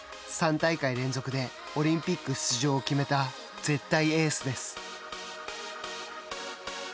３大会連続でオリンピック出場を決めた絶対エースです。